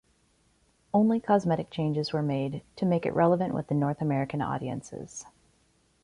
Only cosmetic changes were made to make it relevant with the North American audiences.